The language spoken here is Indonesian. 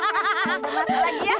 masuk lagi ya